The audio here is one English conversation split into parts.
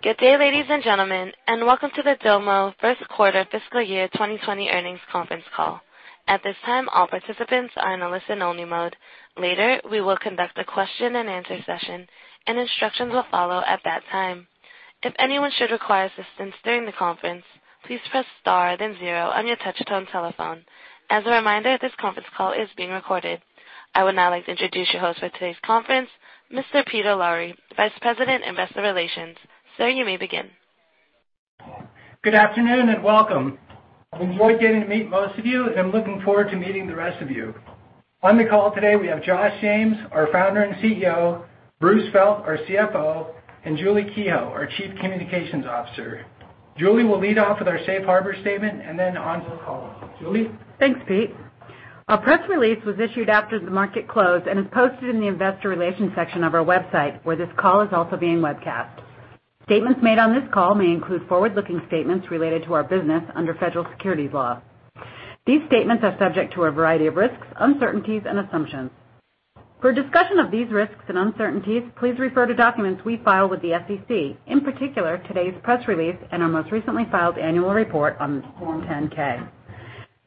Good day, ladies and gentlemen, and welcome to the Domo First Quarter Fiscal Year 2020 Earnings Conference Call. At this time, all participants are in a listen-only mode. Later, we will conduct a question and answer session, and instructions will follow at that time. If anyone should require assistance during the conference, please press star then zero on your touch-tone telephone. As a reminder, this conference call is being recorded. I would now like to introduce your host for today's conference, Mr. Peter Lowry, Vice President, Investor Relations. Sir, you may begin. Good afternoon and welcome. I've enjoyed getting to meet most of you, and looking forward to meeting the rest of you. On the call today, we have Josh James, our Founder and CEO, Bruce Felt, our CFO, and Julie Kehoe, our Chief Communications Officer. Julie will lead off with our safe harbor statement and then on with the call. Julie? Thanks, Pete. Our press release was issued after the market closed and is posted in the investor relations section of our website, where this call is also being webcast. Statements made on this call may include forward-looking statements related to our business under federal securities law. These statements are subject to a variety of risks, uncertainties, and assumptions. For a discussion of these risks and uncertainties, please refer to documents we file with the SEC, in particular, today's press release and our most recently filed annual report on Form 10-K.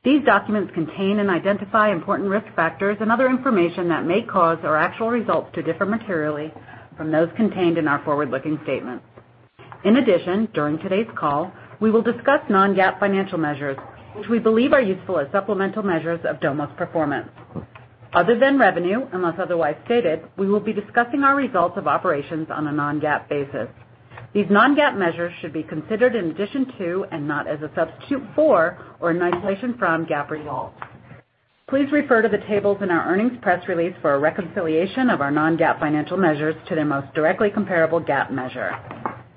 These documents contain and identify important risk factors and other information that may cause our actual results to differ materially from those contained in our forward-looking statements. In addition, during today's call, we will discuss non-GAAP financial measures, which we believe are useful as supplemental measures of Domo's performance. Other than revenue, unless otherwise stated, we will be discussing our results of operations on a non-GAAP basis. These non-GAAP measures should be considered in addition to and not as a substitute for or an isolation from GAAP results. Please refer to the tables in our earnings press release for a reconciliation of our non-GAAP financial measures to their most directly comparable GAAP measure.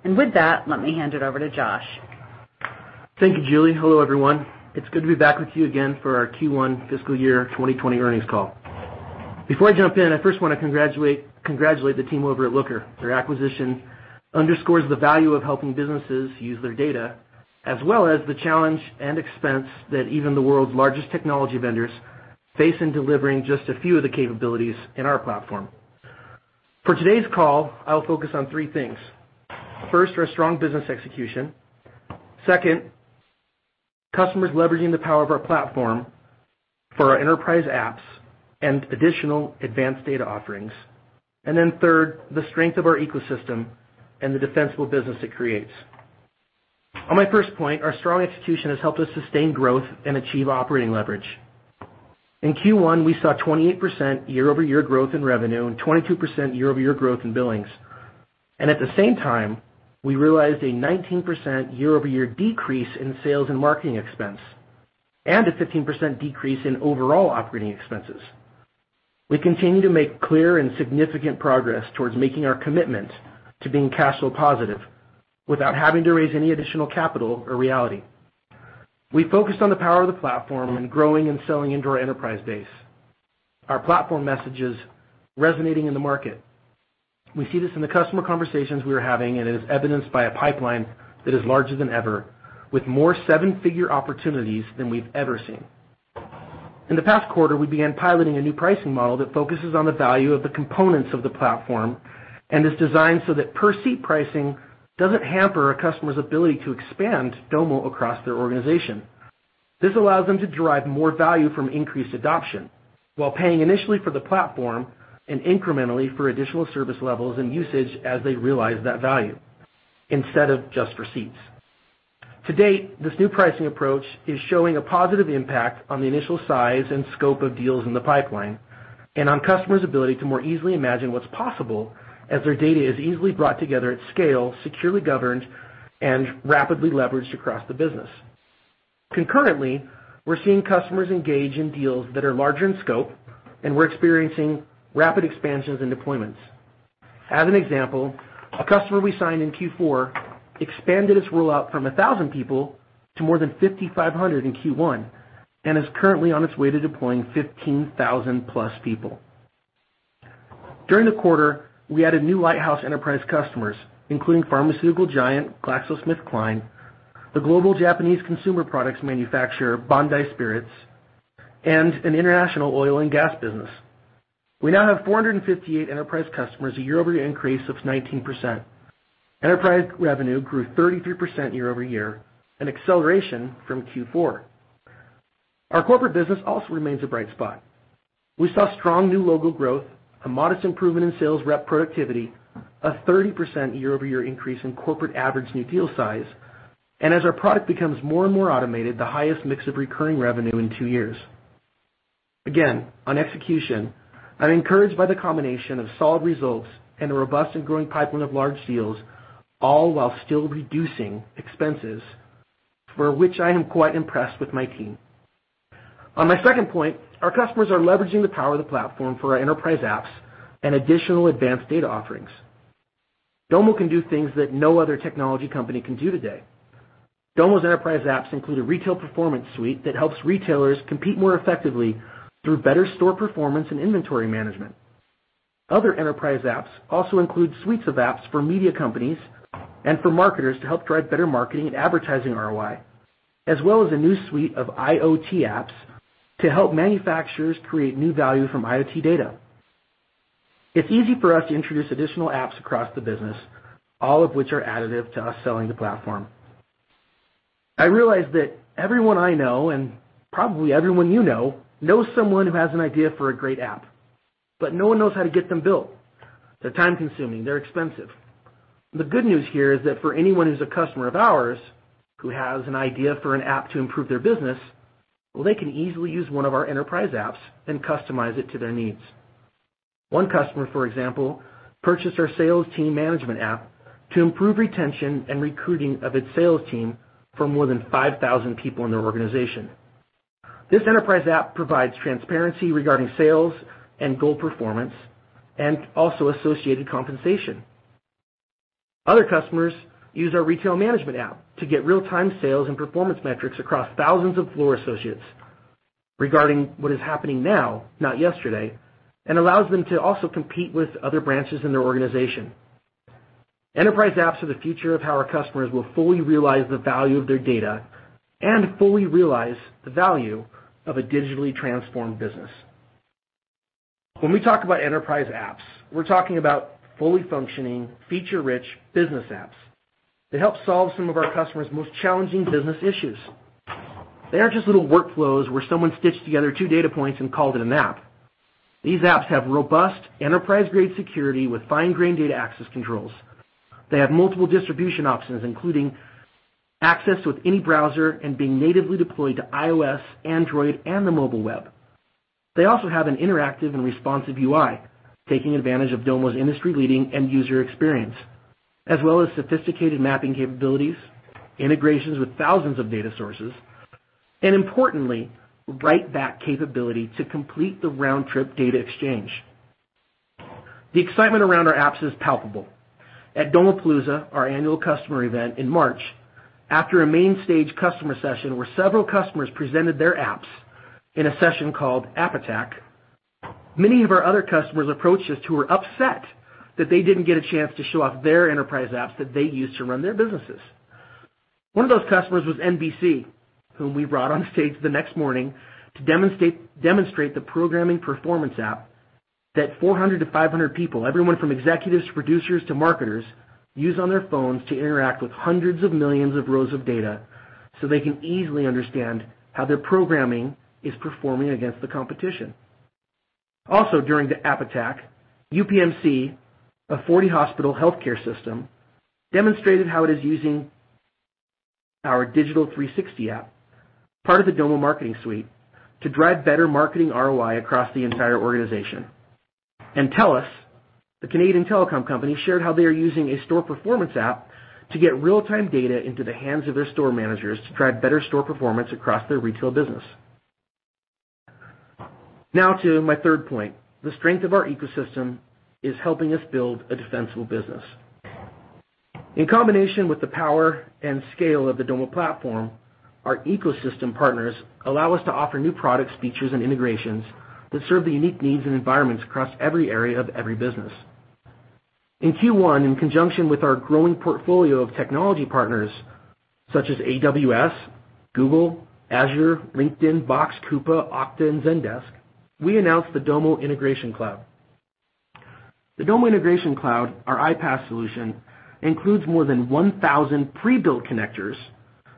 And with that, let me hand it over to Josh. Thank you, Julie. Hello, everyone. It's good to be back with you again for our Q1 fiscal year 2020 earnings call. Before I jump in, I first want to congratulate the team over at Looker. Their acquisition underscores the value of helping businesses use their data, as well as the challenge and expense that even the world's largest technology vendors face in delivering just a few of the capabilities in our platform. For today's call, I will focus on three things. First, our strong business execution. Second, customers leveraging the power of our platform for our enterprise apps and additional advanced data offerings. Then third, the strength of our ecosystem and the defensible business it creates. On my first point, our strong execution has helped us sustain growth and achieve operating leverage. In Q1, we saw 28% year-over-year growth in revenue and 22% year-over-year growth in billings. At the same time, we realized a 19% year-over-year decrease in sales and marketing expense, and a 15% decrease in overall operating expenses. We continue to make clear and significant progress towards making our commitment to being cash flow positive without having to raise any additional capital a reality. We focused on the power of the platform and growing and selling into our enterprise base. Our platform message is resonating in the market. We see this in the customer conversations we are having, and it is evidenced by a pipeline that is larger than ever, with more 7-figure opportunities than we've ever seen. In the past quarter, we began piloting a new pricing model that focuses on the value of the components of the platform and is designed so that per-seat pricing doesn't hamper a customer's ability to expand Domo across their organization. This allows them to derive more value from increased adoption while paying initially for the platform and incrementally for additional service levels and usage as they realize that value, instead of just for seats. To date, this new pricing approach is showing a positive impact on the initial size and scope of deals in the pipeline and on customers' ability to more easily imagine what's possible as their data is easily brought together at scale, securely governed, and rapidly leveraged across the business. Concurrently, we're seeing customers engage in deals that are larger in scope, and we're experiencing rapid expansions and deployments. As an example, a customer we signed in Q4 expanded its rollout from 1,000 people to more than 5,500 in Q1 and is currently on its way to deploying 15,000-plus people. During the quarter, we added new lighthouse enterprise customers, including pharmaceutical giant GlaxoSmithKline, the global Japanese consumer products manufacturer Bandai Spirits, and an international oil and gas business. We now have 458 enterprise customers, a year-over-year increase of 19%. Enterprise revenue grew 33% year-over-year, an acceleration from Q4. Our corporate business also remains a bright spot. We saw strong new logo growth, a modest improvement in sales rep productivity, a 30% year-over-year increase in corporate average new deal size, and as our product becomes more and more automated, the highest mix of recurring revenue in two years. Again, on execution, I'm encouraged by the combination of solid results and a robust and growing pipeline of large deals, all while still reducing expenses, for which I am quite impressed with my team. On my second point, our customers are leveraging the power of the platform for our enterprise apps and additional advanced data offerings. Domo can do things that no other technology company can do today. Domo’s enterprise apps include a retail performance suite that helps retailers compete more effectively through better store performance and inventory management. Other enterprise apps also include suites of apps for media companies and for marketers to help drive better marketing and advertising ROI. As well as a new suite of IoT apps to help manufacturers create new value from IoT data. It’s easy for us to introduce additional apps across the business, all of which are additive to us selling the platform. I realize that everyone I know, and probably everyone you know, knows someone who has an idea for a great app, but no one knows how to get them built. They’re time-consuming, they’re expensive. The good news here is that for anyone who’s a customer of ours who has an idea for an app to improve their business, they can easily use one of our enterprise apps and customize it to their needs. One customer, for example, purchased our sales team management app to improve retention and recruiting of its sales team for more than 5,000 people in their organization. This enterprise app provides transparency regarding sales and goal performance, and also associated compensation. Other customers use our retail management app to get real-time sales and performance metrics across thousands of floor associates regarding what is happening now, not yesterday, and allows them to also compete with other branches in their organization. Enterprise apps are the future of how our customers will fully realize the value of their data and fully realize the value of a digitally transformed business. When we talk about enterprise apps, we’re talking about fully functioning, feature-rich business apps that help solve some of our customers’ most challenging business issues. They aren’t just little workflows where someone stitched together two data points and called it an app. These apps have robust enterprise-grade security with fine-grained data access controls. They have multiple distribution options, including access with any browser and being natively deployed to iOS, Android, and the mobile web. They also have an interactive and responsive UI, taking advantage of Domo’s industry-leading end-user experience, as well as sophisticated mapping capabilities, integrations with thousands of data sources, and importantly, write back capability to complete the round-trip data exchange. The excitement around our apps is palpable. At Domopalooza, our annual customer event in March, after a main stage customer session where several customers presented their apps in a session called App Attack, many of our other customers approached us who were upset that they didn’t get a chance to show off their enterprise apps that they use to run their businesses. One of those customers was NBC, whom we brought on stage the next morning to demonstrate the programming performance app that 400-500 people, everyone from executives to producers to marketers, use on their phones to interact with hundreds of millions of rows of data so they can easily understand how their programming is performing against the competition. Also during the App Attack, UPMC, a 40-hospital healthcare system, demonstrated how it is using our Digital 360 app, part of the Domo Marketing Suite, to drive better marketing ROI across the entire organization. Telus, the Canadian telecom company, shared how they are using a store performance app to get real-time data into the hands of their store managers to drive better store performance across their retail business. Now to my third point, the strength of our ecosystem is helping us build a defensible business. In combination with the power and scale of the Domo platform, our ecosystem partners allow us to offer new products, features, and integrations that serve the unique needs and environments across every area of every business. In Q1, in conjunction with our growing portfolio of technology partners such as AWS, Google, Azure, LinkedIn, Box, Coupa, Okta, and Zendesk, we announced the Domo Integration Cloud. The Domo Integration Cloud, our iPaaS solution, includes more than 1,000 pre-built connectors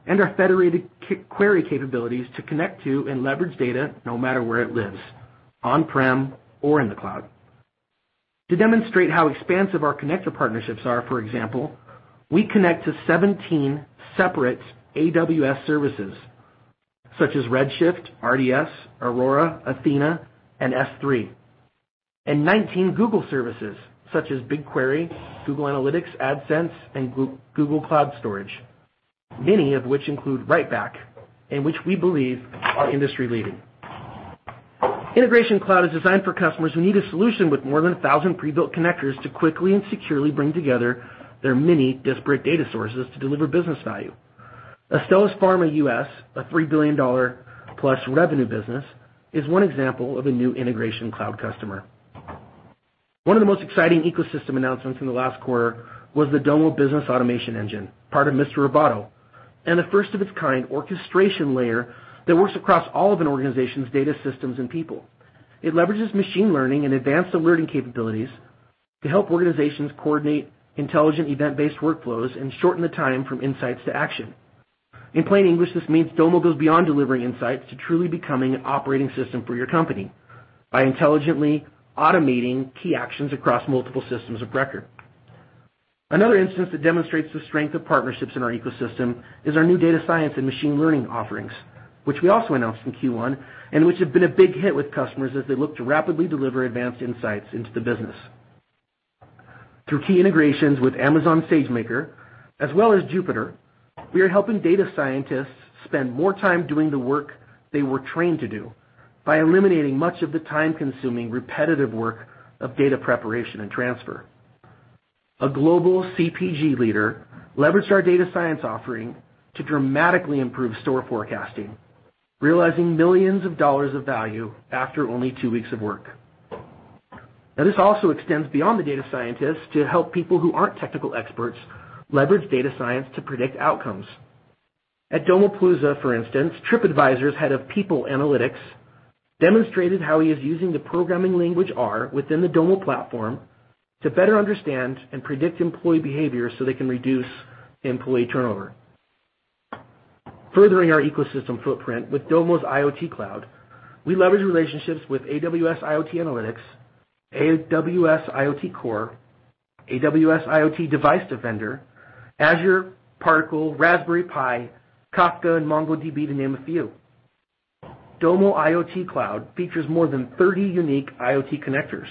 and our federated query capabilities to connect to and leverage data no matter where it lives, on-prem or in the cloud. To demonstrate how expansive our connector partnerships are, for example, we connect to 17 separate AWS services such as Redshift, RDS, Aurora, Athena, and S3. 19 Google services such as BigQuery, Google Analytics, AdSense, and Google Cloud Storage, many of which include write back, and which we believe are industry-leading. Integration Cloud is designed for customers who need a solution with more than 1,000 pre-built connectors to quickly and securely bring together their many disparate data sources to deliver business value. Astellas Pharma US, a $3 billion-plus revenue business, is one example of a new Integration Cloud customer. One of the most exciting ecosystem announcements in the last quarter was the Domo Business Automation Engine, part of Mr. Roboto, and a first-of-its-kind orchestration layer that works across all of an organization's data systems and people. It leverages machine learning and advanced alerting capabilities to help organizations coordinate intelligent event-based workflows and shorten the time from insights to action. In plain English, this means Domo goes beyond delivering insights to truly becoming an operating system for your company by intelligently automating key actions across multiple systems of record. Another instance that demonstrates the strength of partnerships in our ecosystem is our new data science and machine learning offerings, which we also announced in Q1, and which have been a big hit with customers as they look to rapidly deliver advanced insights into the business. Through key integrations with Amazon SageMaker as well as Jupyter, we are helping data scientists spend more time doing the work they were trained to do by eliminating much of the time-consuming, repetitive work of data preparation and transfer. A global CPG leader leveraged our data science offering to dramatically improve store forecasting, realizing millions of dollars of value after only two weeks of work. This also extends beyond the data scientists to help people who aren't technical experts leverage data science to predict outcomes. At Domopalooza, for instance, TripAdvisor's Head of People Analytics demonstrated how he is using the programming language R within the Domo platform to better understand and predict employee behavior so they can reduce employee turnover. Furthering our ecosystem footprint with Domo's IoT Cloud, we leverage relationships with AWS IoT Analytics, AWS IoT Core, AWS IoT Device Defender, Azure, Particle, Raspberry Pi, Kafka, and MongoDB, to name a few. Domo IoT Cloud features more than 30 unique IoT connectors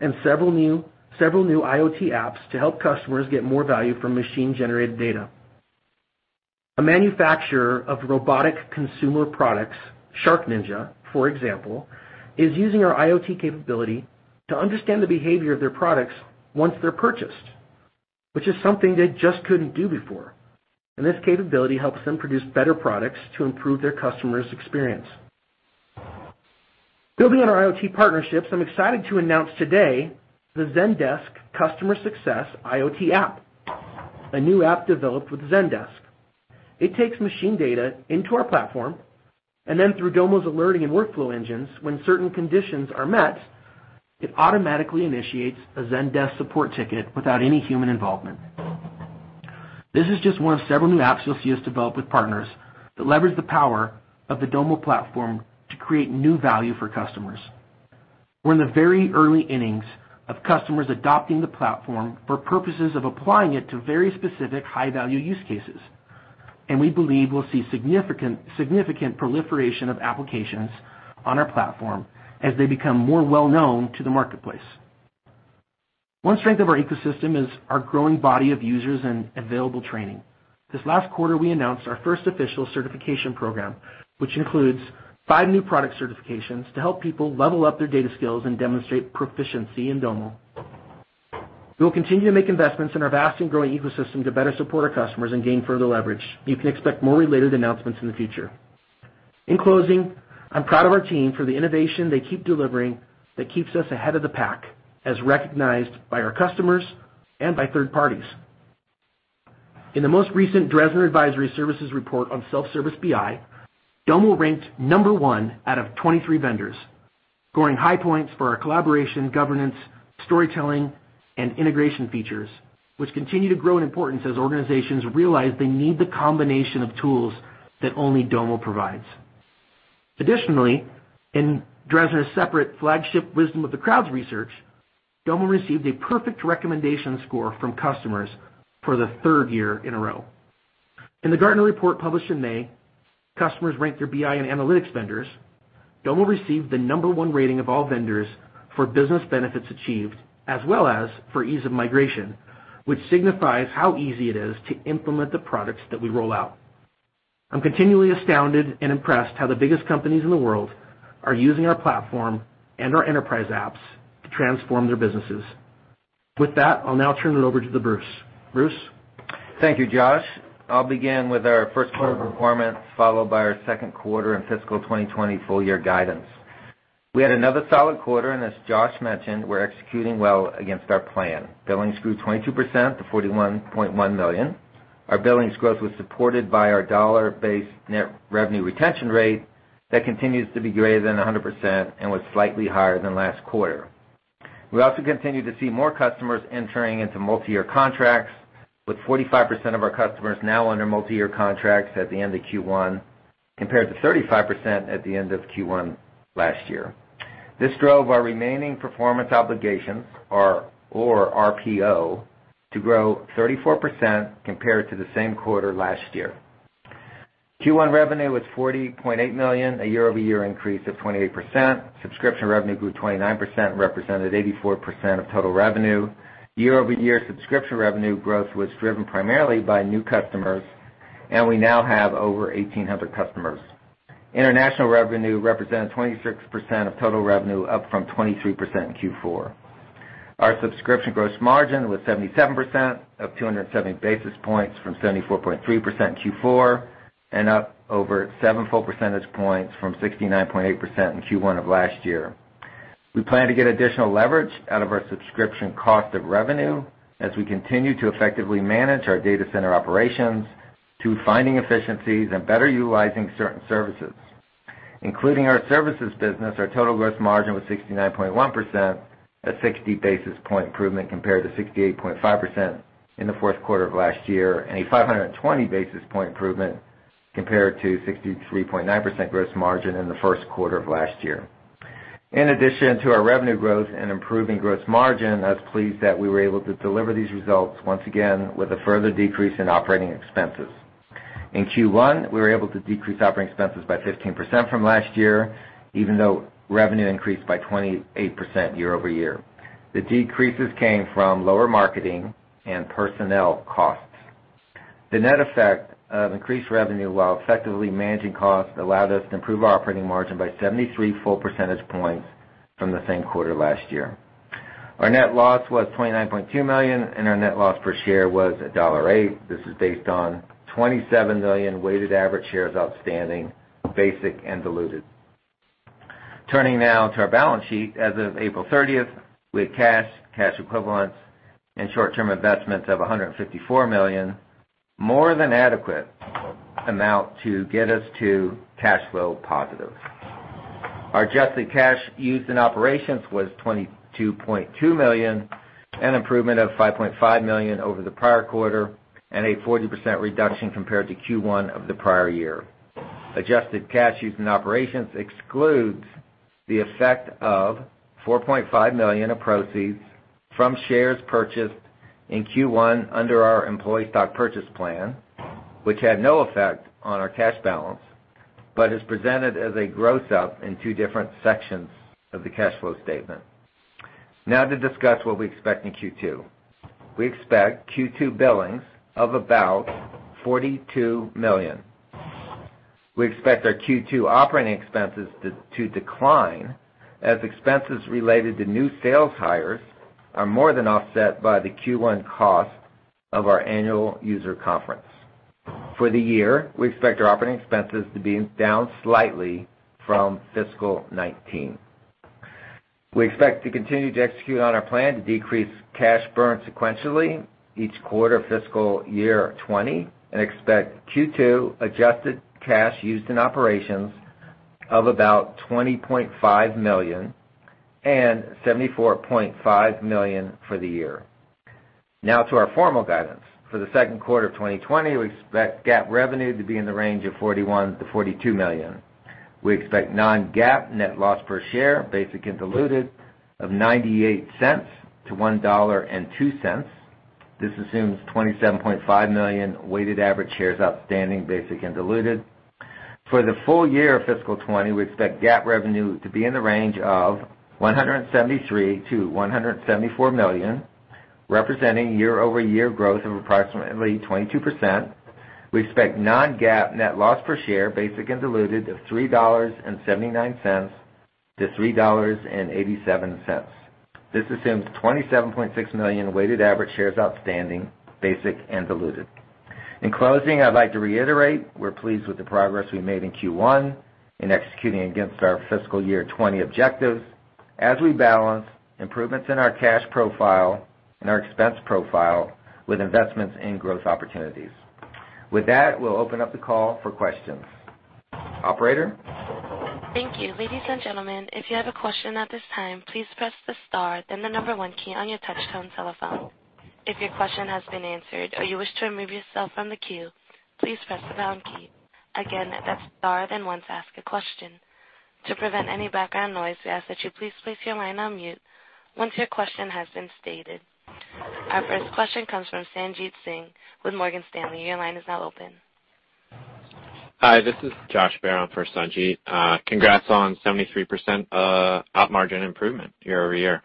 and several new IoT apps to help customers get more value from machine-generated data. A manufacturer of robotic consumer products, SharkNinja, for example, is using our IoT capability to understand the behavior of their products once they're purchased, which is something they just couldn't do before. This capability helps them produce better products to improve their customers' experience. Building on our IoT partnerships, I'm excited to announce today the Zendesk Customer Success IoT App, a new app developed with Zendesk. It takes machine data into our platform, and then through Domo's alerting and workflow engines, when certain conditions are met, it automatically initiates a Zendesk support ticket without any human involvement. This is just one of several new apps you'll see us develop with partners that leverage the power of the Domo platform to create new value for customers. We're in the very early innings of customers adopting the platform for purposes of applying it to very specific high-value use cases, and we believe we'll see significant proliferation of applications on our platform as they become more well-known to the marketplace. One strength of our ecosystem is our growing body of users and available training. This last quarter, we announced our first official certification program, which includes five new product certifications to help people level up their data skills and demonstrate proficiency in Domo. We will continue to make investments in our vast and growing ecosystem to better support our customers and gain further leverage. You can expect more related announcements in the future. In closing, I'm proud of our team for the innovation they keep delivering that keeps us ahead of the pack, as recognized by our customers and by third parties. In the most recent Dresner Advisory Services report on self-service BI, Domo ranked number one out of 23 vendors, scoring high points for our collaboration, governance, storytelling, and integration features, which continue to grow in importance as organizations realize they need the combination of tools that only Domo provides. Additionally, in Dresner's separate flagship Wisdom of the Crowds research, Domo received a perfect recommendation score from customers for the third year in a row. In the Gartner report published in May, customers ranked their BI and analytics vendors. Domo received the number one rating of all vendors for business benefits achieved, as well as for ease of migration, which signifies how easy it is to implement the products that we roll out. I'm continually astounded and impressed how the biggest companies in the world are using our platform and our enterprise apps to transform their businesses. With that, I'll now turn it over to Bruce. Bruce? Thank you, Josh. I'll begin with our first quarter performance, followed by our second quarter and fiscal 2020 full-year guidance. We had another solid quarter, and as Josh mentioned, we're executing well against our plan. Billings grew 22% to $41.1 million. Our billings growth was supported by our dollar-based net revenue retention rate that continues to be greater than 100% and was slightly higher than last quarter. We also continue to see more customers entering into multi-year contracts, with 45% of our customers now under multi-year contracts at the end of Q1, compared to 35% at the end of Q1 last year. This drove our remaining performance obligations, or RPO, to grow 34% compared to the same quarter last year. Q1 revenue was $40.8 million, a year-over-year increase of 28%. Subscription revenue grew 29%, represented 84% of total revenue. Year-over-year subscription revenue growth was driven primarily by new customers, and we now have over 1,800 customers. International revenue represented 26% of total revenue, up from 23% in Q4. Our subscription gross margin was 77%, up 270 basis points from 74.3% in Q4, and up over seven full percentage points from 69.8% in Q1 of last year. We plan to get additional leverage out of our subscription cost of revenue as we continue to effectively manage our data center operations to finding efficiencies and better utilizing certain services. Including our services business, our total gross margin was 69.1%, a 60-basis-point improvement compared to 68.5% in the fourth quarter of last year, and a 520-basis-point improvement compared to 63.9% gross margin in the first quarter of last year. In addition to our revenue growth and improving gross margin, I was pleased that we were able to deliver these results once again with a further decrease in operating expenses. In Q1, we were able to decrease operating expenses by 15% from last year, even though revenue increased by 28% year over year. The decreases came from lower marketing and personnel costs. The net effect of increased revenue while effectively managing costs allowed us to improve our operating margin by 73 full percentage points from the same quarter last year. Our net loss was $29.2 million, and our net loss per share was $1.08. This is based on 27 million weighted average shares outstanding, Basic and diluted. Turning now to our balance sheet. As of April 30th, we had cash equivalents, and short-term investments of $154 million, more than adequate amount to get us to cash flow positive. Our adjusted cash used in operations was $22.2 million, an improvement of $5.5 million over the prior quarter, and a 40% reduction compared to Q1 of the prior year. Adjusted cash used in operations excludes the effect of $4.5 million of proceeds from shares purchased in Q1 under our employee stock purchase plan, which had no effect on our cash balance, but is presented as a gross up in two different sections of the cash flow statement. Now to discuss what we expect in Q2. We expect Q2 billings of about $42 million. We expect our Q2 operating expenses to decline as expenses related to new sales hires are more than offset by the Q1 cost of our annual user conference. For the year, we expect our operating expenses to be down slightly from fiscal 2019. We expect to continue to execute on our plan to decrease cash burn sequentially each quarter of fiscal year 2020, and expect Q2 adjusted cash used in operations of about $20.5 million and $74.5 million for the year. Now to our formal guidance. For the second quarter of 2020, we expect GAAP revenue to be in the range of $41 million-$42 million. We expect non-GAAP net loss per share, basic and diluted of $0.98-$1.02. This assumes 27.5 million weighted average shares outstanding, basic and diluted. For the full year of fiscal 2020, we expect GAAP revenue to be in the range of $173 million-$174 million, representing year-over-year growth of approximately 22%. We expect non-GAAP net loss per share, basic and diluted of $3.79-$3.87. This assumes 27.6 million weighted average shares outstanding, basic and diluted. In closing, I'd like to reiterate, we're pleased with the progress we made in Q1 in executing against our fiscal year 2020 objectives as we balance improvements in our cash profile and our expense profile with investments in growth opportunities. With that, we'll open up the call for questions. Operator? Thank you. Ladies and gentlemen, if you have a question at this time, please press the star then the number one key on your touchtone telephone. If your question has been answered or you wish to remove yourself from the queue, please press the pound key. Again, that's star then one to ask a question. To prevent any background noise, we ask that you please place your line on mute once your question has been stated. Our first question comes from Sanjit Singh with Morgan Stanley. Your line is now open. Hi, this is Joshua Baer for Sanjit. Congrats on 73% op margin improvement year-over-year.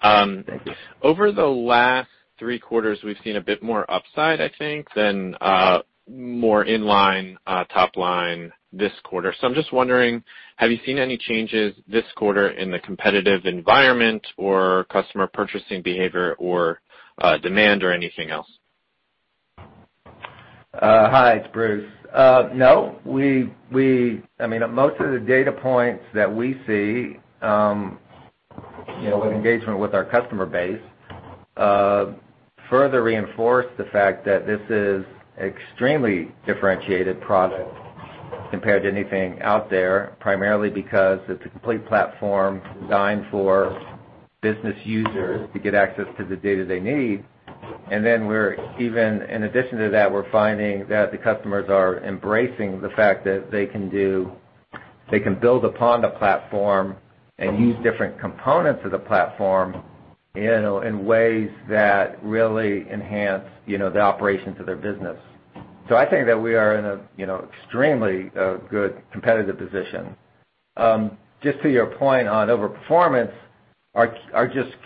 Thank you. Over the last three quarters, we've seen a bit more upside, I think, than more inline top line this quarter. I'm just wondering, have you seen any changes this quarter in the competitive environment or customer purchasing behavior or demand or anything else? Hi, it's Bruce. No. Most of the data points that we see, with engagement with our customer base, further reinforce the fact that this is extremely differentiated product compared to anything out there, primarily because it's a complete platform designed for business users to get access to the data they need. In addition to that, we're finding that the customers are embracing the fact that they can build upon the platform and use different components of the platform in ways that really enhance the operations of their business. I think that we are in a extremely good competitive position. Just to your point on overperformance, our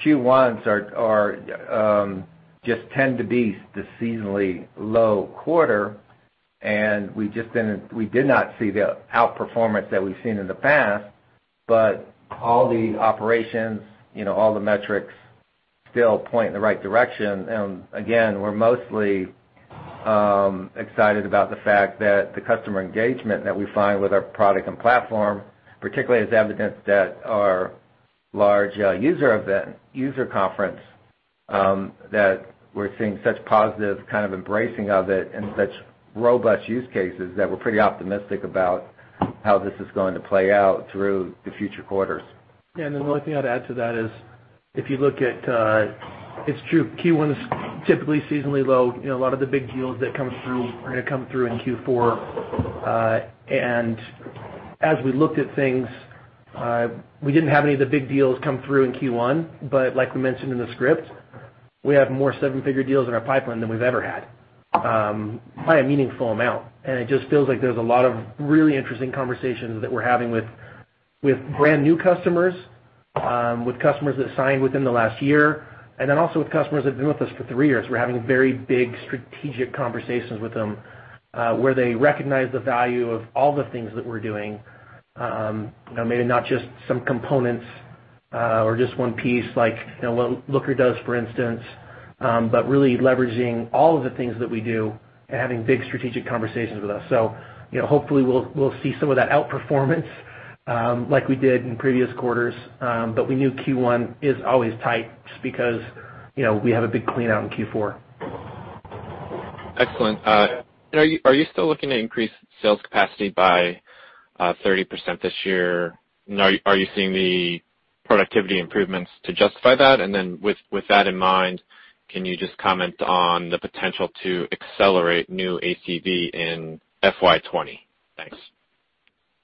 Q1s just tend to be the seasonally low quarter, and we did not see the outperformance that we've seen in the past, all the operations, all the metrics still point in the right direction. Again, we're mostly excited about the fact that the customer engagement that we find with our product and platform, particularly as evidenced at our large user conference, that we're seeing such positive kind of embracing of it and such robust use cases that we're pretty optimistic about how this is going to play out through the future quarters. Yeah. The only thing I'd add to that is, it's true, Q1 is typically seasonally low. A lot of the big deals that come through are going to come through in Q4. As we looked at things, we didn't have any of the big deals come through in Q1. Like we mentioned in the script, we have more seven-figure deals in our pipeline than we've ever had by a meaningful amount. It just feels like there's a lot of really interesting conversations that we're having with brand new customers, with customers that signed within the last year, and then also with customers that have been with us for three years. We're having very big strategic conversations with them, where they recognize the value of all the things that we're doing. Maybe not just some components. Or just one piece like Looker does, for instance, but really leveraging all of the things that we do and having big strategic conversations with us. Hopefully we'll see some of that outperformance like we did in previous quarters. We knew Q1 is always tight just because we have a big clean-out in Q4. Excellent. Are you still looking to increase sales capacity by 30% this year? Are you seeing the productivity improvements to justify that? Then with that in mind, can you just comment on the potential to accelerate new ACV in FY 2020? Thanks.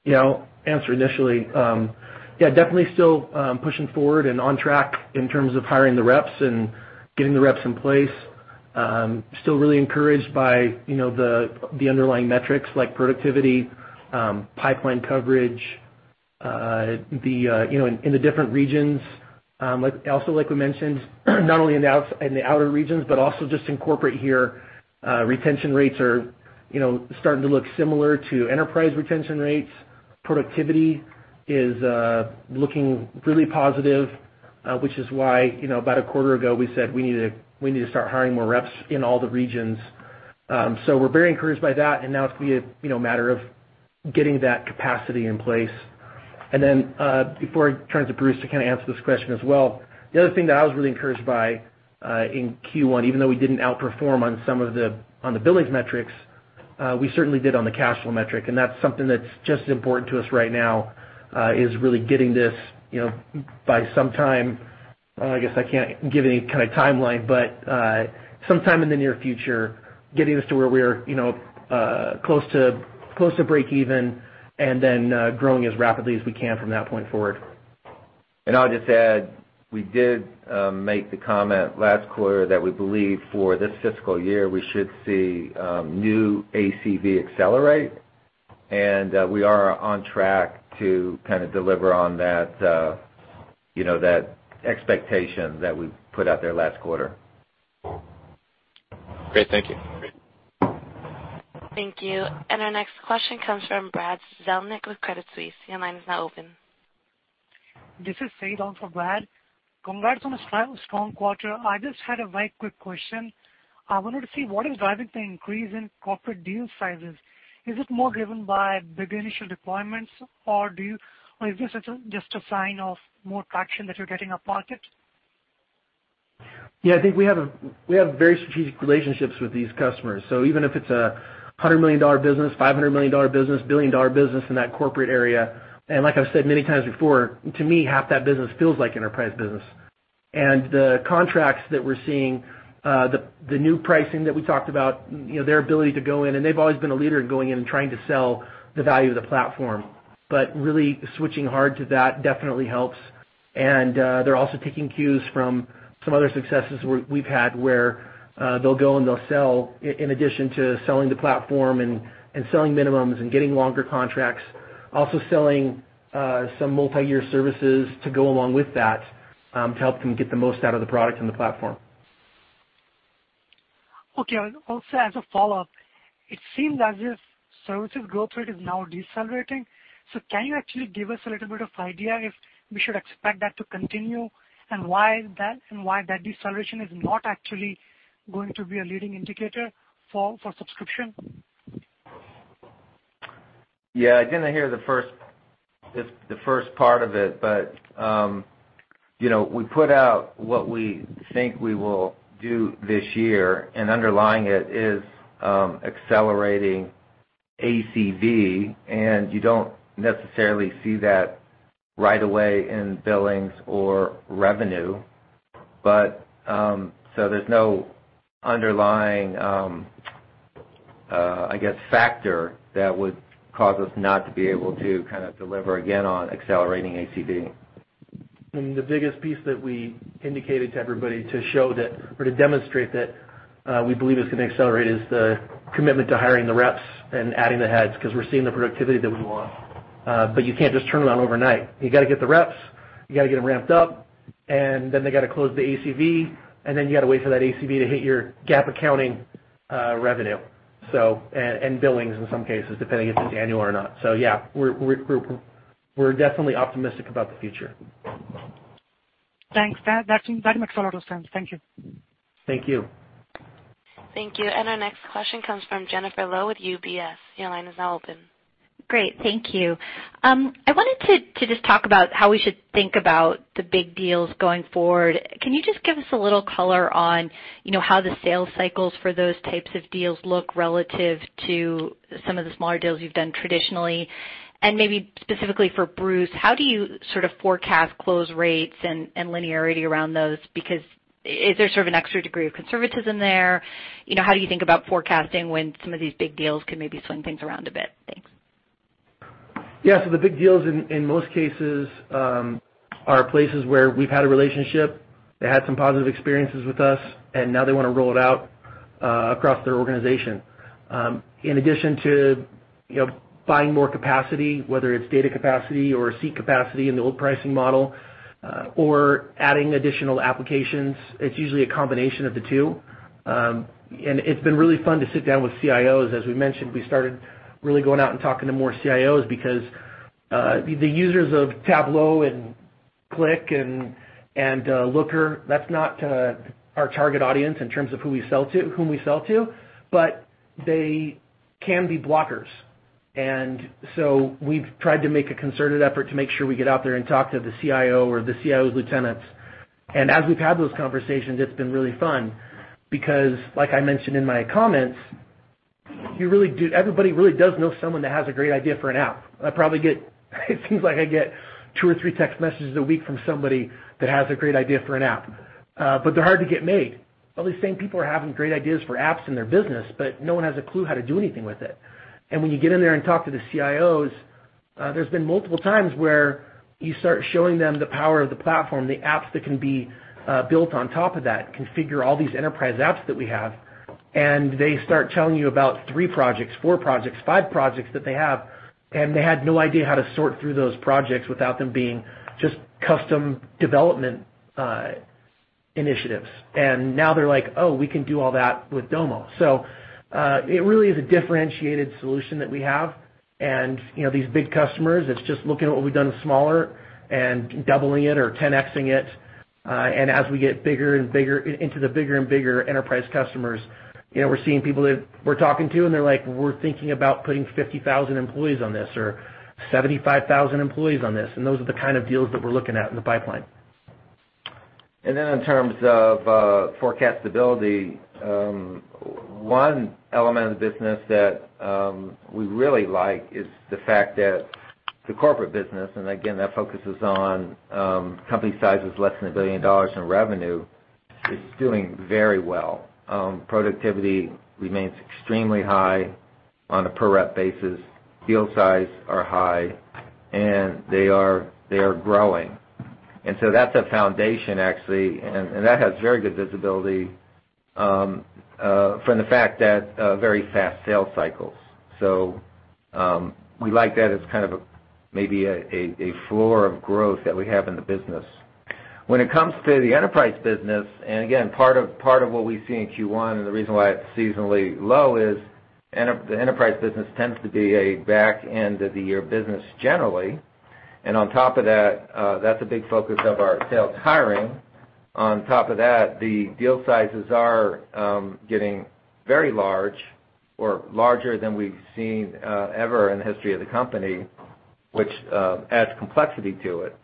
Yeah. I'll answer initially. Yeah, definitely still pushing forward and on track in terms of hiring the reps and getting the reps in place. Still really encouraged by the underlying metrics like productivity, pipeline coverage in the different regions. Also, like we mentioned, not only in the outer regions but also just incorporate here, retention rates are starting to look similar to enterprise retention rates. Productivity is looking really positive, which is why about a quarter ago, we said we need to start hiring more reps in all the regions. We're very encouraged by that, now it's a matter of getting that capacity in place. Then, before I turn to Bruce to answer this question as well, the other thing that I was really encouraged by in Q1, even though we didn't outperform on some of the billings metrics, we certainly did on the cash flow metric. That's something that's just as important to us right now, is really getting this by sometime, I guess I can't give any kind of timeline, but sometime in the near future, getting us to where we're close to break even and then growing as rapidly as we can from that point forward. I'll just add, we did make the comment last quarter that we believe for this fiscal year, we should see new ACV accelerate, and we are on track to deliver on that expectation that we put out there last quarter. Great. Thank you. Thank you. Our next question comes from Brad Zelnick with Credit Suisse. Your line is now open. This is Saeed on for Brad. Congrats on a strong quarter. I just had a very quick question. I wanted to see what is driving the increase in corporate deal sizes. Is it more driven by bigger initial deployments, or is this just a sign of more traction that you're getting up market? Yeah, I think we have very strategic relationships with these customers. Even if it's a $100 million business, $500 million business, billion-dollar business in that corporate area, like I've said many times before, to me, half that business feels like enterprise business. The contracts that we're seeing, the new pricing that we talked about, their ability to go in, and they've always been a leader in going in and trying to sell the value of the platform. Really switching hard to that definitely helps. They're also taking cues from some other successes we've had where they'll go, and they'll sell, in addition to selling the platform and selling minimums and getting longer contracts, also selling some multi-year services to go along with that, to help them get the most out of the product and the platform. Okay. Also, as a follow-up, it seems as if services growth rate is now decelerating. Can you actually give us a little bit of idea if we should expect that to continue, and why that deceleration is not actually going to be a leading indicator for subscription? Yeah. I didn't hear the first part of it. We put out what we think we will do this year. Underlying it is accelerating ACV, and you don't necessarily see that right away in billings or revenue. There's no underlying, I guess, factor that would cause us not to be able to deliver again on accelerating ACV. The biggest piece that we indicated to everybody to show that or to demonstrate that we believe it's going to accelerate, is the commitment to hiring the reps and adding the heads because we're seeing the productivity that we want. You can't just turn it on overnight. You got to get the reps, you got to get them ramped up, and then they got to close the ACV, and then you got to wait for that ACV to hit your GAAP accounting revenue, and billings in some cases, depending if it's annual or not. Yeah, we're definitely optimistic about the future. Thanks. That makes a lot of sense. Thank you. Thank you. Thank you. Our next question comes from Jennifer Lowe with UBS. Your line is now open. Great. Thank you. I wanted to just talk about how we should think about the big deals going forward. Can you just give us a little color on how the sales cycles for those types of deals look relative to some of the smaller deals you've done traditionally? Maybe specifically for Bruce Felt, how do you sort of forecast close rates and linearity around those? Is there sort of an extra degree of conservatism there? How do you think about forecasting when some of these big deals could maybe swing things around a bit? Thanks. Yeah. The big deals, in most cases, are places where we've had a relationship. They had some positive experiences with us, and now they want to roll it out across their organization. In addition to buying more capacity, whether it's data capacity or a seat capacity in the old pricing model, or adding additional applications, it's usually a combination of the two. It's been really fun to sit down with CIOs. As we mentioned, we started really going out and talking to more CIOs because the users of Tableau and Qlik and Looker, that's not our target audience in terms of whom we sell to, but they can be blockers. We've tried to make a concerted effort to make sure we get out there and talk to the CIO or the CIO's lieutenants. As we've had those conversations, it's been really fun because like I mentioned in my comments, everybody really does know someone that has a great idea for an app. It seems like I get two or three text messages a week from somebody that has a great idea for an app. They're hard to get made. All these same people are having great ideas for apps in their business, but no one has a clue how to do anything with it. When you get in there and talk to the CIOs, there's been multiple times where you start showing them the power of the platform, the apps that can be built on top of that, configure all these enterprise apps that we have, and they start telling you about three projects, four projects, five projects that they have. They had no idea how to sort through those projects without them being just custom development initiatives. Now they're like, "Oh, we can do all that with Domo." It really is a differentiated solution that we have. These big customers, it's just looking at what we've done with smaller and doubling it or 10X-ing it. As we get into the bigger and bigger enterprise customers, we're seeing people that we're talking to, and they're like, "We're thinking about putting 50,000 employees on this, or 75,000 employees on this." Those are the kind of deals that we're looking at in the pipeline. In terms of forecastability, one element of the business that we really like is the fact that the corporate business, and again, that focuses on company sizes less than $1 billion in revenue, is doing very well. Productivity remains extremely high on a per rep basis. Deal sizes are high, and they are growing. That's a foundation, actually, and that has very good visibility from the fact that very fast sales cycles. We like that as kind of maybe a floor of growth that we have in the business. When it comes to the enterprise business, and again, part of what we see in Q1 and the reason why it's seasonally low is the enterprise business tends to be a back end of the year business generally. On top of that's a big focus of our sales hiring. On top of that, the deal sizes are getting very large or larger than we've seen ever in the history of the company, which adds complexity to it.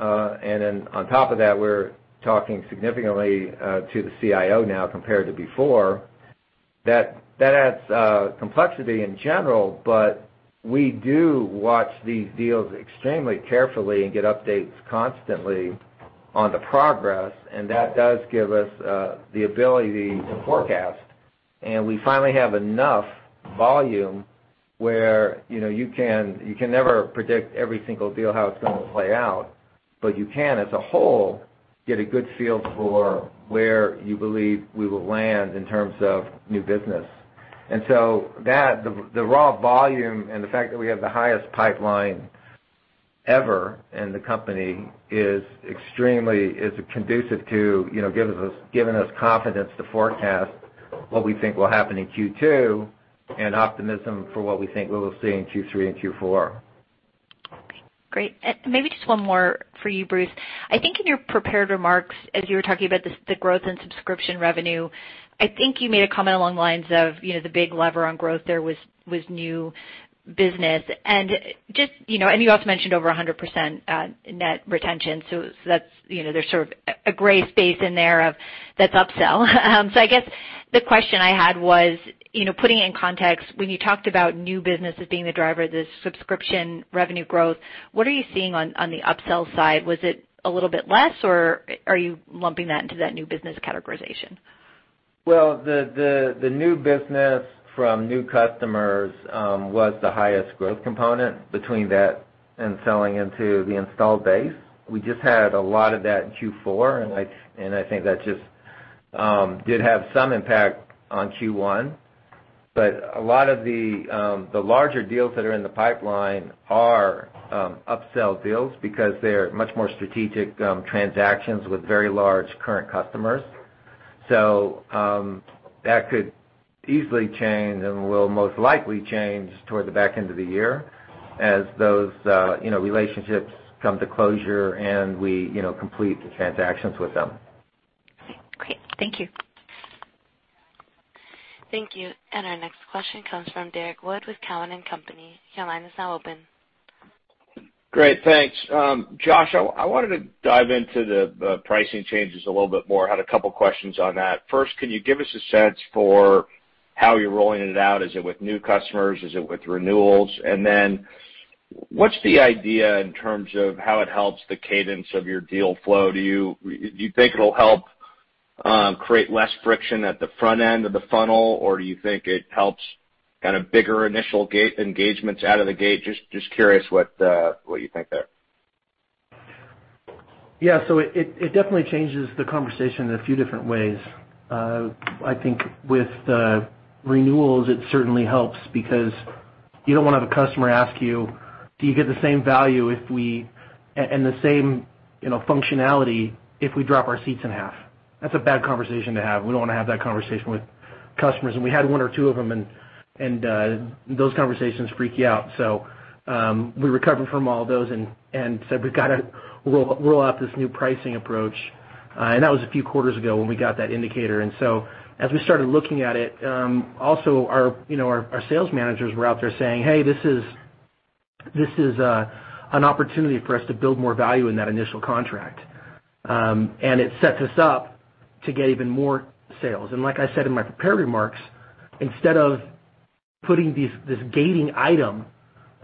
On top of that, we're talking significantly to the CIO now compared to before. That adds complexity in general, but we do watch these deals extremely carefully and get updates constantly on the progress, and that does give us the ability to forecast. We finally have enough volume where you can never predict every single deal, how it's going to play out, but you can, as a whole, get a good feel for where you believe we will land in terms of new business. The raw volume and the fact that we have the highest pipeline ever in the company is extremely conducive to giving us confidence to forecast what we think will happen in Q2 and optimism for what we think we will see in Q3 and Q4. Okay, great. Maybe just one more for you, Bruce. I think in your prepared remarks, as you were talking about the growth in subscription revenue, I think you made a comment along the lines of the big lever on growth there was new business. You also mentioned over 100% net retention. There's sort of a gray space in there of that's upsell. I guess the question I had was, putting it in context, when you talked about new business as being the driver of this subscription revenue growth, what are you seeing on the upsell side? Was it a little bit less, or are you lumping that into that new business categorization? Well, the new business from new customers was the highest growth component between that and selling into the installed base. We just had a lot of that in Q4, and I think that just did have some impact on Q1. A lot of the larger deals that are in the pipeline are upsell deals because they're much more strategic transactions with very large current customers. That could easily change and will most likely change toward the back end of the year as those relationships come to closure and we complete the transactions with them. Okay, great. Thank you. Thank you. Our next question comes from Derrick Wood with Cowen and Company. Your line is now open. Great. Thanks. Josh, I wanted to dive into the pricing changes a little bit more. I had a couple questions on that. First, can you give us a sense for how you're rolling it out? Is it with new customers? Is it with renewals? Then what's the idea in terms of how it helps the cadence of your deal flow? Do you think it'll help create less friction at the front end of the funnel, or do you think it helps kind of bigger initial engagements out of the gate? Just curious what you think there. Yeah. It definitely changes the conversation in a few different ways. I think with the renewals, it certainly helps because you don't want to have a customer ask you, "Do you get the same value and the same functionality if we drop our seats in half?" That's a bad conversation to have. We don't want to have that conversation with customers. We had one or two of them, and those conversations freak you out. We recovered from all those and said we've got to roll out this new pricing approach. That was a few quarters ago when we got that indicator. As we started looking at it, also our sales managers were out there saying, "Hey, this is an opportunity for us to build more value in that initial contract. It sets us up to get even more sales." Like I said in my prepared remarks, instead of putting this gating item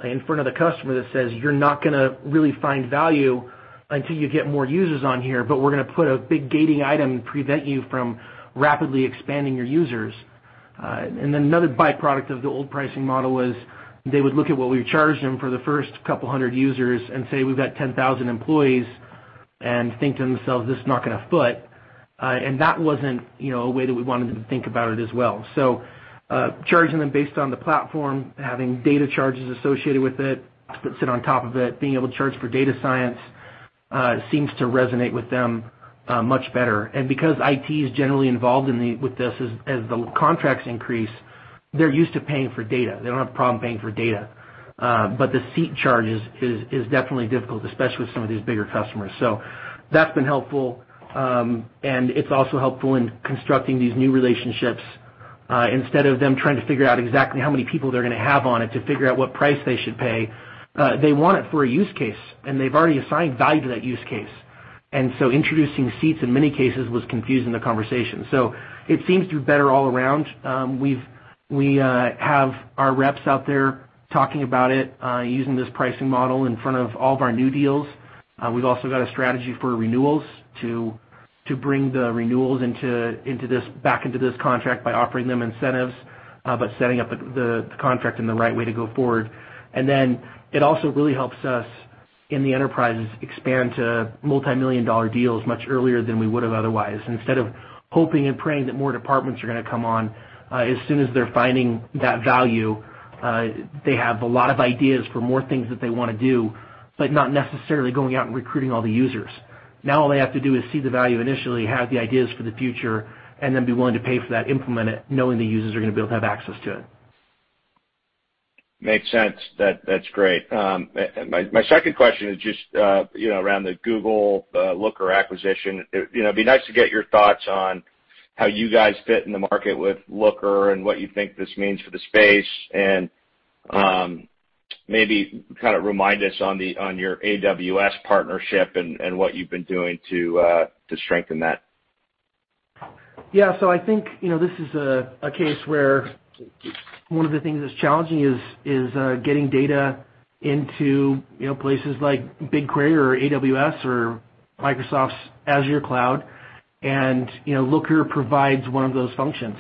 in front of the customer that says, "You're not going to really find value until you get more users on here, we're going to put a big gating item and prevent you from rapidly expanding your users." Then another byproduct of the old pricing model was they would look at what we charged them for the first couple hundred users and say, "We've got 10,000 employees," and think to themselves, "This is not going to foot." That wasn't a way that we wanted them to think about it as well. Charging them based on the platform, having data charges associated with it, that sit on top of it, being able to charge for data science, seems to resonate with them much better. Because IT is generally involved with this, as the contracts increase, they're used to paying for data. They don't have a problem paying for data. The seat charge is definitely difficult, especially with some of these bigger customers. That's been helpful. It's also helpful in constructing these new relationships. Instead of them trying to figure out exactly how many people they're going to have on it to figure out what price they should pay, they want it for a use case, and they've already assigned value to that use case. Introducing seats in many cases was confusing the conversation. It seems to be better all around. We have our reps out there talking about it, using this pricing model in front of all of our new deals. We've also got a strategy for renewals to bring the renewals back into this contract by offering them incentives, by setting up the contract in the right way to go forward. It also really helps us in the enterprises expand to multimillion-dollar deals much earlier than we would have otherwise. Instead of hoping and praying that more departments are going to come on, as soon as they're finding that value, they have a lot of ideas for more things that they want to do, but not necessarily going out and recruiting all the users. Now all they have to do is see the value initially, have the ideas for the future, and then be willing to pay for that, implement it, knowing the users are going to be able to have access to it. Makes sense. That's great. My second question is just around the Google Looker acquisition. It'd be nice to get your thoughts on how you guys fit in the market with Looker and what you think this means for the space, and maybe kind of remind us on your AWS partnership and what you've been doing to strengthen that. Yeah. I think this is a case where one of the things that's challenging is getting data into places like BigQuery or AWS or Microsoft's Azure Cloud, and Looker provides one of those functions.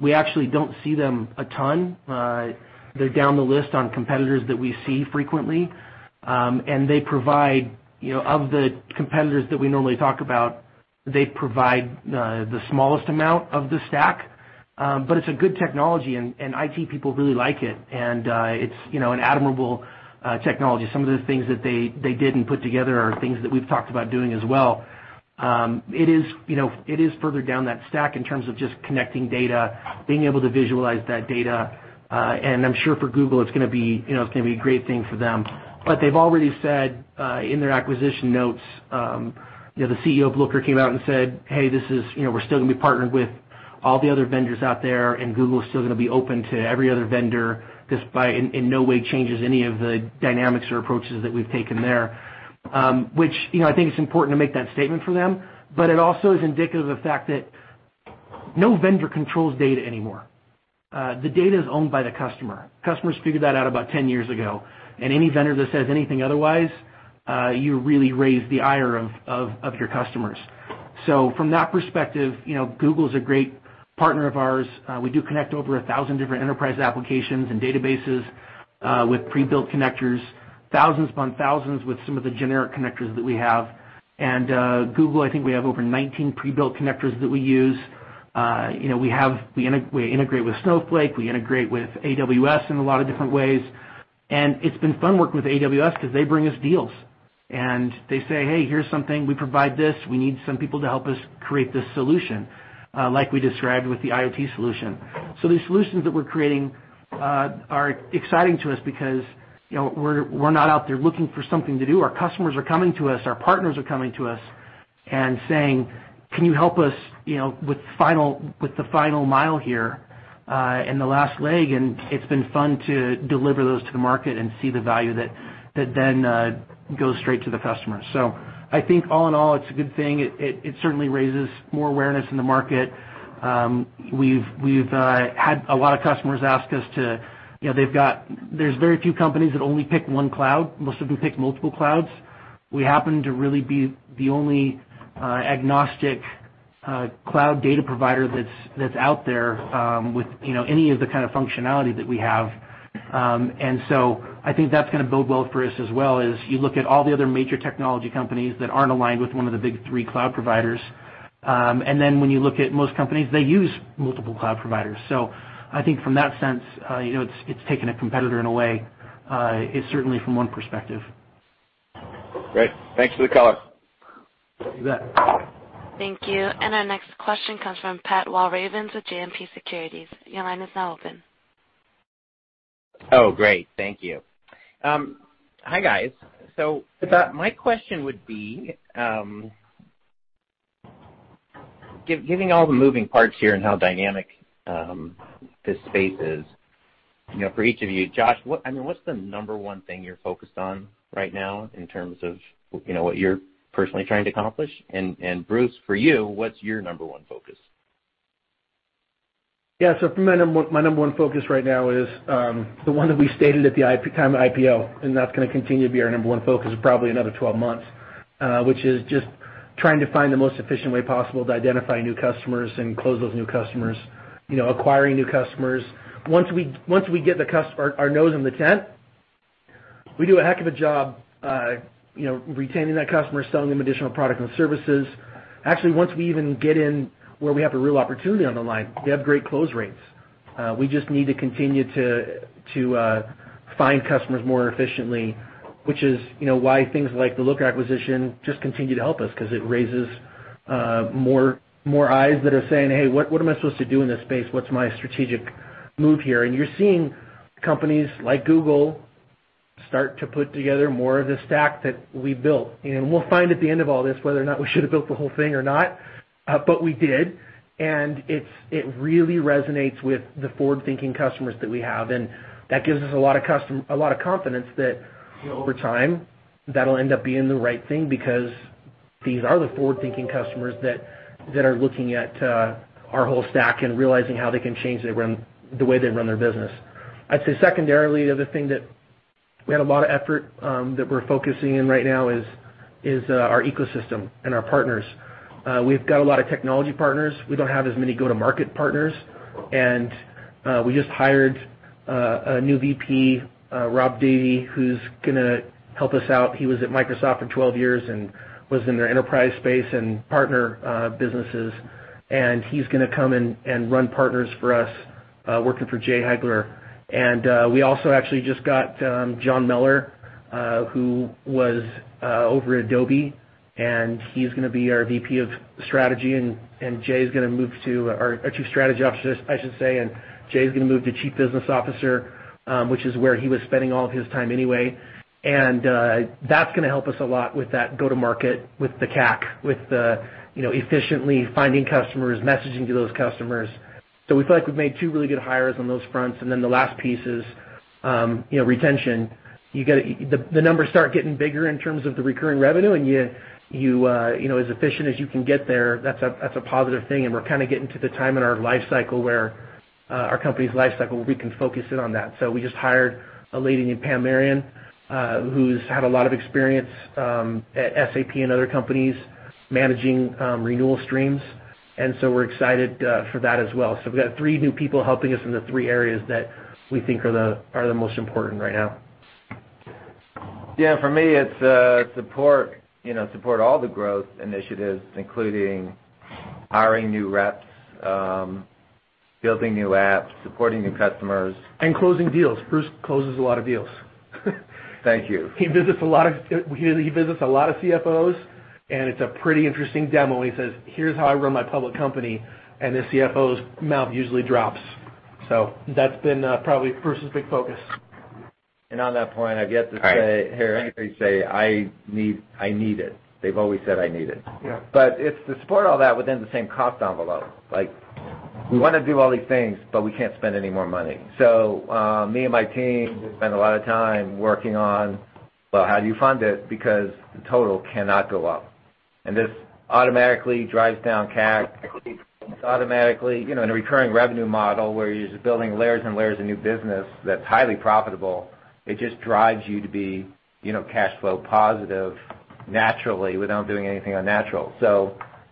We actually don't see them a ton. They're down the list on competitors that we see frequently. Of the competitors that we normally talk about, they provide the smallest amount of the stack. It's a good technology, and IT people really like it, and it's an admirable technology. Some of the things that they did and put together are things that we've talked about doing as well. It is further down that stack in terms of just connecting data, being able to visualize that data. I'm sure for Google, it's going to be a great thing for them. They've already said in their acquisition notes, the CEO of Looker came out and said, "Hey, we're still going to be partnered with all the other vendors out there, and Google is still going to be open to every other vendor. This, by in no way, changes any of the dynamics or approaches that we've taken there." Which I think it's important to make that statement for them. It also is indicative of the fact that no vendor controls data anymore. The data is owned by the customer. Customers figured that out about 10 years ago. Any vendor that says anything otherwise, you really raise the ire of your customers. From that perspective, Google's a great partner of ours. We do connect over 1,000 different enterprise applications and databases, with pre-built connectors, thousands upon thousands with some of the generic connectors that we have. Google, I think we have over 19 pre-built connectors that we use. We integrate with Snowflake. We integrate with AWS in a lot of different ways. It's been fun working with AWS because they bring us deals, and they say, "Hey, here's something. We provide this. We need some people to help us create this solution," like we described with the IoT solution. These solutions that we're creating are exciting to us because we're not out there looking for something to do. Our customers are coming to us, our partners are coming to us and saying, "Can you help us with the final mile here and the last leg?" It's been fun to deliver those to the market and see the value that then goes straight to the customer. I think all in all, it's a good thing. It certainly raises more awareness in the market. We've had a lot of customers ask us. There's very few companies that only pick one cloud. Most of them pick multiple clouds. We happen to really be the only agnostic cloud data provider that's out there with any of the kind of functionality that we have. I think that's going to bode well for us as well, is you look at all the other major technology companies that aren't aligned with one of the big three cloud providers. Then when you look at most companies, they use multiple cloud providers. I think from that sense, it's taking a competitor in a way, certainly from one perspective. Great. Thanks for the color. You bet. Thank you. Our next question comes from Pat Walravens with JMP Securities. Your line is now open. Oh, great. Thank you. Hi, guys. My question would be, giving all the moving parts here and how dynamic this space is, for each of you, Josh, what's the number one thing you're focused on right now in terms of what you're personally trying to accomplish? Bruce, for you, what's your number one focus? Yeah. For me, my number one focus right now is the one that we stated at the time of IPO, and that's going to continue to be our number one focus for probably another 12 months, which is just trying to find the most efficient way possible to identify new customers and close those new customers, acquiring new customers. Once we get our nose in the tent, we do a heck of a job retaining that customer, selling them additional product and services. Actually, once we even get in where we have a real opportunity on the line, we have great close rates. We just need to continue to find customers more efficiently, which is why things like the Looker acquisition just continue to help us, because it raises more eyes that are saying, "Hey, what am I supposed to do in this space? What's my strategic move here?" You're seeing companies like Google start to put together more of the stack that we built. We'll find at the end of all this whether or not we should have built the whole thing or not, but we did. It really resonates with the forward-thinking customers that we have, and that gives us a lot of confidence that over time, that'll end up being the right thing because these are the forward-thinking customers that are looking at our whole stack and realizing how they can change the way they run their business. I'd say secondarily, the other thing that we had a lot of effort that we're focusing in right now is our ecosystem and our partners. We've got a lot of technology partners. We don't have as many go-to-market partners, we just hired a new VP, Rob Davy, who's gonna help us out. He was at Microsoft for 12 years and was in their enterprise space and partner businesses. He's gonna come and run partners for us, working for Jay Heglar. We also actually just got John Mellor, who was over at Adobe, and he's gonna be our VP of Strategy, or our Chief Strategy Officer, I should say, and Jay's gonna move to Chief Business Officer, which is where he was spending all of his time anyway. That's gonna help us a lot with that go-to-market with the CAC, with efficiently finding customers, messaging to those customers. We feel like we've made two really good hires on those fronts. The last piece is retention. The numbers start getting bigger in terms of the recurring revenue, as efficient as you can get there, that's a positive thing, we're getting to the time in our company's life cycle where we can focus in on that. We just hired a lady named Pam Marion, who's had a lot of experience at SAP and other companies managing renewal streams. We're excited for that as well. We've got three new people helping us in the three areas that we think are the most important right now. Yeah, for me, it's support all the growth initiatives, including hiring new reps, building new apps, supporting new customers. Closing deals. Bruce closes a lot of deals. Thank you. He visits a lot of CFOs, it's a pretty interesting demo when he says, "Here's how I run my public company," the CFO's mouth usually drops. That's been probably Bruce's big focus. On that point, I've yet to hear anybody say, "I need it." They've always said, "I need it. Yeah. It's to support all that within the same cost envelope. We want to do all these things, but we can't spend any more money. Me and my team spend a lot of time working on, well, how do you fund it, because the total cannot go up. This automatically drives down CAC. In a recurring revenue model where you're just building layers and layers of new business that's highly profitable, it just drives you to be cash flow positive naturally without doing anything unnatural.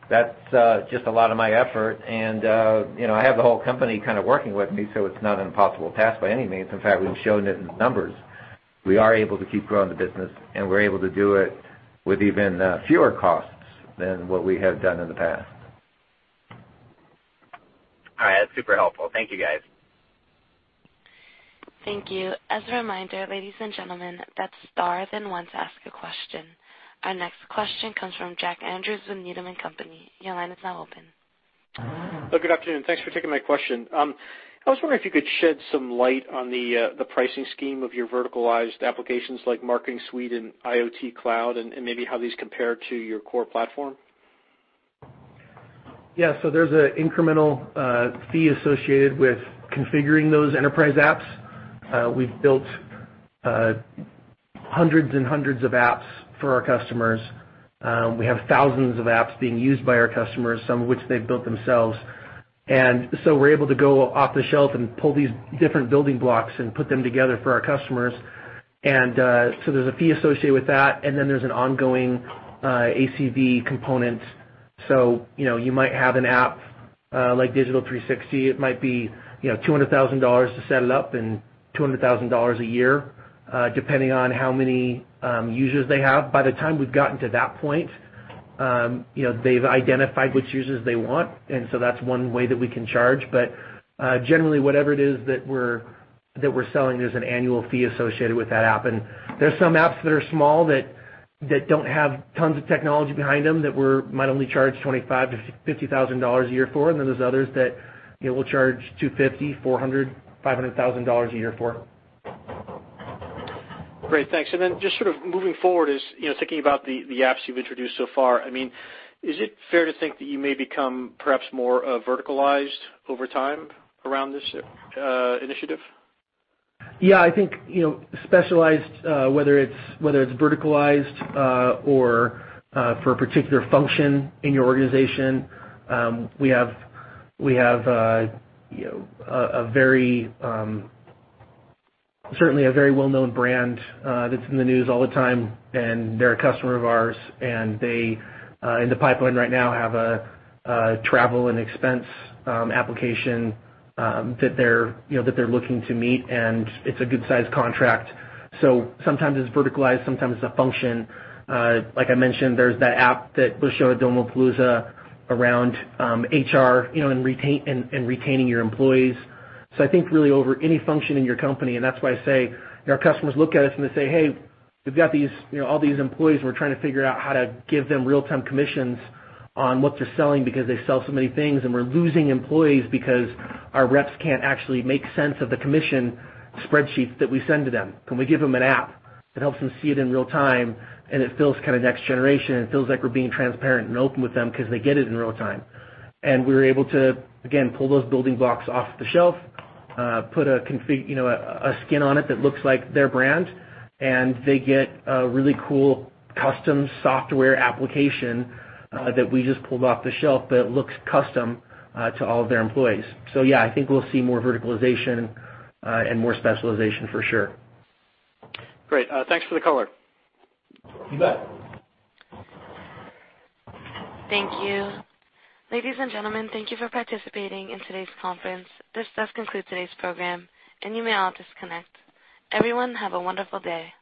That's just a lot of my effort, and I have the whole company kind of working with me, so it's not an impossible task by any means. In fact, we've shown it in the numbers. We are able to keep growing the business, and we're able to do it with even fewer costs than what we have done in the past. All right. That's super helpful. Thank you, guys. Thank you. As a reminder, ladies and gentlemen, that's star then one to ask a question. Our next question comes from Jack Andrews with Needham & Company. Your line is now open. Good afternoon. Thanks for taking my question. I was wondering if you could shed some light on the pricing scheme of your verticalized applications like Marketing Suite and IoT Cloud, and maybe how these compare to your core platform. Yeah. There's an incremental fee associated with configuring those enterprise apps. We've built hundreds and hundreds of apps for our customers. We have thousands of apps being used by our customers, some of which they've built themselves. We're able to go off the shelf and pull these different building blocks and put them together for our customers. There's a fee associated with that, and then there's an ongoing ACV component. You might have an app like Digital 360, it might be $200,000 to set it up and $200,000 a year, depending on how many users they have. By the time we've gotten to that point, they've identified which users they want, and so that's one way that we can charge. Generally, whatever it is that we're selling, there's an annual fee associated with that app. There's some apps that are small, that don't have tons of technology behind them, that we might only charge $25,000-$50,000 a year for. Then there's others that we'll charge $250,000, $400,000, $500,000 a year for. Great. Thanks. Then just sort of moving forward is, thinking about the apps you've introduced so far. Is it fair to think that you may become perhaps more verticalized over time around this initiative? I think, specialized, whether it's verticalized or for a particular function in your organization, we have certainly a very well-known brand that's in the news all the time, and they're a customer of ours, and they, in the pipeline right now, have a travel and expense application that they're looking to meet, and it's a good-sized contract. Sometimes it's verticalized, sometimes it's a function. Like I mentioned, there's that app that was shown at Domopalooza around HR and retaining your employees. I think really over any function in your company, and that's why I say our customers look at us and they say, "Hey, we've got all these employees, and we're trying to figure out how to give them real-time commissions on what they're selling because they sell so many things, and we're losing employees because our reps can't actually make sense of the commission spreadsheets that we send to them. Can we give them an app that helps them see it in real time, and it feels kind of next generation, and it feels like we're being transparent and open with them because they get it in real time? We're able to, again, pull those building blocks off the shelf, put a skin on it that looks like their brand, and they get a really cool custom software application that we just pulled off the shelf that looks custom to all of their employees. Yeah, I think we'll see more verticalization and more specialization for sure. Great. Thanks for the color. You bet. Thank you. Ladies and gentlemen, thank you for participating in today's conference. This does conclude today's program, and you may all disconnect. Everyone, have a wonderful day.